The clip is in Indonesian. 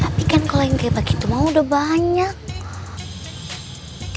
tapi kan kalau yang kayak begitu mau udah banyak